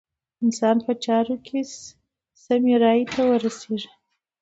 انسان په چارو کې سمې رايې ته ورسېږي.